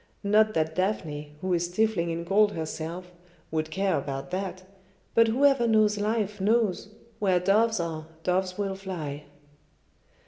Not that Daphne, who is stifling in gold herself, would care about that, but whoever knows life knows where doves are, doves will fly."